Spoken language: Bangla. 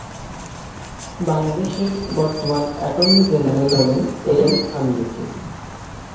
বাংলাদেশের বর্তমান অ্যাটর্নি জেনারেল হলেন এ এম আমিন উদ্দিন।